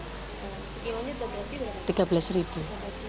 kenapa beli yang harga segitu